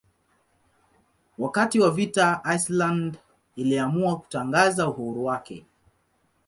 Wakati wa vita Iceland iliamua kutangaza uhuru wake.